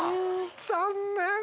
残念。